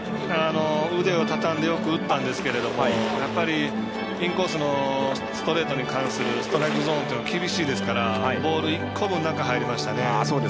腕をたたんでよく打ったんですけどインコースのストレートに関するストライクゾーンが厳しいですから、ボール１個分中に入りましたね。